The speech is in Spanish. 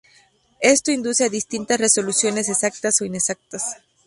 Esto induce a distintas resoluciones, exactas o inexactas.